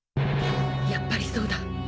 やっぱりそうだ！